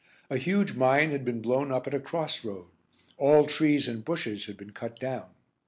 A huge mine had been blown up at a cross road; all trees and bushes had been cut down.